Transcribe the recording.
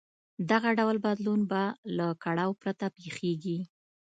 دغه ډول بدلون به له کړاو پرته پېښېږي.